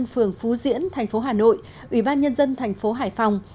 phường phú diễn thành phố hà nội ủy ban nhân dân thành phố hải phòng